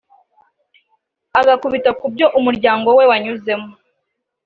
agakubita ku byo ubmuryango we wanyuzemo